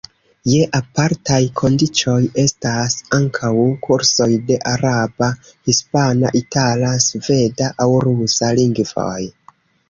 Je apartaj kondiĉoj, estas ankaŭ kursoj de araba, hispana, itala, sveda aŭ rusa lingvoj.